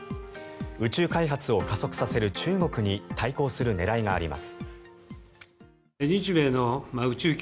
宇宙開発を加速させる中国に対抗する狙いがあります。